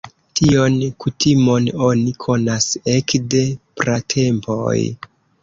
Tion kutimon oni konas ekde pratempoj.